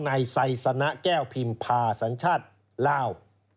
นายไซสนะแก้วพิมพาสัญชาติลาว